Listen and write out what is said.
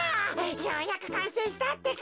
ようやくかんせいしたってか。